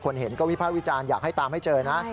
เห็นก็วิภาควิจารณ์อยากให้ตามให้เจอนะ